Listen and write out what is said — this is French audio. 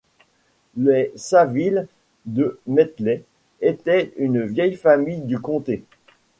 Les Savile de Methley étaient une vieille famille du comté.